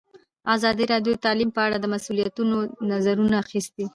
ازادي راډیو د تعلیم په اړه د مسؤلینو نظرونه اخیستي.